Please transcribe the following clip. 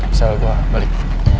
misalnya gue balik